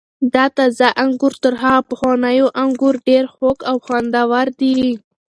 دا تازه انګور تر هغو پخوانیو انګور ډېر خوږ او خوندور دي.